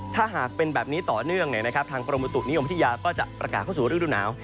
ถ้าหากเป็นแบบนี้ต่อเนื่องทางกรมบุตุนิยมวิทยาก็จะประกาศเข้าสู่ฤดูหนาว